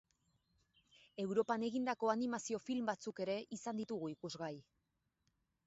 Europan egindako animazio film batzuk ere izan ditugu ikusgai.